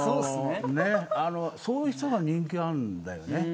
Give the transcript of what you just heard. そういう人が人気があるんだよね。